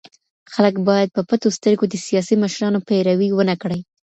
خلګ بايد په پټو سترګو د سياسي مشرانو پيروي ونه کړي.